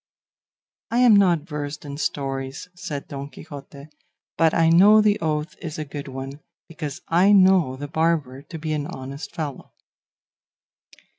"I am not versed in stories," said Don Quixote; "but I know the oath is a good one, because I know the barber to be an honest fellow."